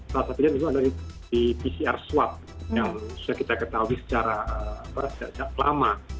salah satu itu adalah di pcr swab yang sudah kita ketahui secara lama